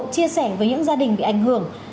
chia sẻ với những gia đình bị ảnh hưởng